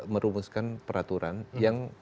merumuskan peraturan yang